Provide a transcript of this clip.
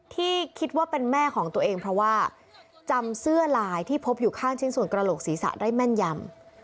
ที่คิดว่าเป็นแม่ของตัวเองเพราะว่าจำเสื้อลายที่พบอยู่ข้างชิ้นส่วนกระโหลกศีรษะได้แม่นยำ